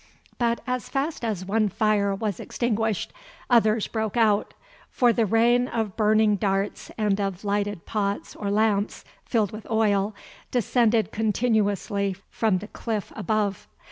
But as fast as one fire was extinguished others broke out, for the rain of burning darts and of lighted pots or lamps filled with oil descended continuously from the cliff above.